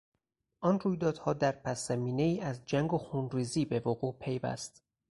آن رویدادها در پسزمینهای از جنگ و خونریزی به وقوع پیوست.